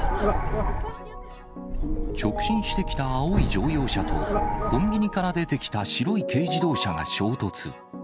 直進してきた青い乗用車と、コンビニから出てきた白い軽自動車が衝突。